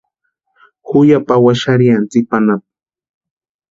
Ju ya pawani xarhiani tsipa anapu.